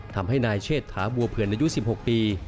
ทำให้นายเชษฐาบัวเผื่อนอายุ๑๖ปี